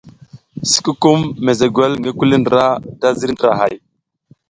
Sikukum mezegwel ngi kuli ndra da ziriy ndrahay.